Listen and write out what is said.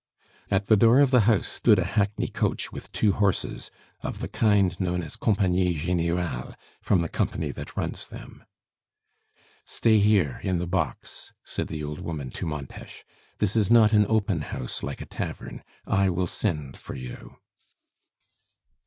At the door of the house stood a hackney coach with two horses, of the kind known as a Compagnie Generale, from the Company that runs them. "Stay here in the box," said the old woman to Montes. "This is not an open house like a tavern. I will send for you."